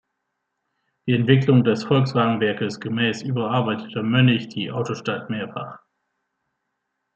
Der Entwicklung des Volkswagenwerkes gemäß überarbeitete Mönnich "Die Autostadt" mehrfach.